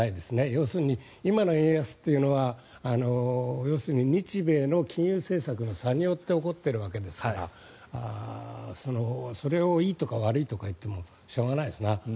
要するに今の円安というのは日米の金融政策の差によって起こっているわけですからそれをいいとか悪いとか言ってもしょうがないですな。